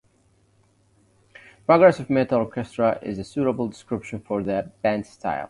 "Progressive metal Orchestra" is a suitable description for the band's style.